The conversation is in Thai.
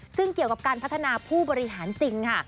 ซึ่งเกี่ยวกับการพัฒนาผู้บริหารจริงค่ะ